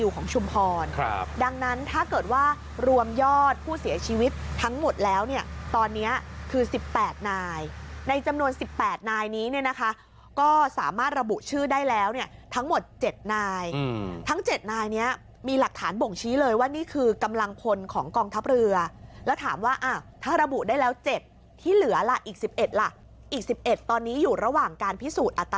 ของชุมพรครับดังนั้นถ้าเกิดว่ารวมยอดผู้เสียชีวิตทั้งหมดแล้วเนี่ยตอนเนี้ยคือสิบแปดนายในจำนวนสิบแปดนายนี้เนี่ยนะคะก็สามารถระบุชื่อได้แล้วเนี่ยทั้งหมดเจ็ดนายอืมทั้งเจ็ดนายเนี้ยมีหลักฐานบ่งชี้เลยว่านี่คือกำลังพลของกองทัพเรือแล้วถามว่าอ่าถ้าระบุได้แล้วเจ็บที่เหลือล่ะอีกส